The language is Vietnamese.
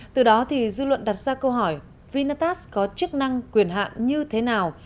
từ đó thì dư luận đặt ra câu hỏi vinatast có chức năng quyền hạn như thế nào